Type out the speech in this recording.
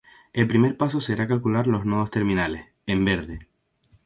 El primer paso será calcular los nodos terminales, en verde.